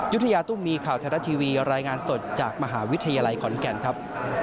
ยุธยาตุ้มมีข่าวไทยรัฐทีวีรายงานสดจากมหาวิทยาลัยขอนแก่นครับ